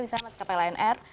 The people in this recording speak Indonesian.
misalnya maskapai lnr